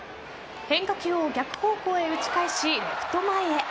変化球を逆方向へ打ち返しレフト前へ。